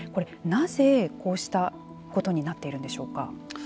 なぜ、こうしたことになっているんでしょうか。